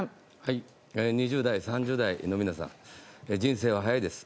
２０代、３０代の皆さん人生は早いです。